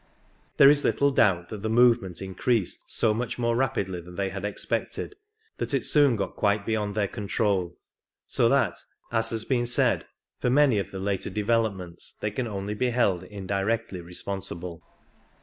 There is little doubt that the movement increased so much more rapidly than they had expected that it soon got quite beyond their control, so that, as has been said, for many of the later developments they can only be held indirectly responsible.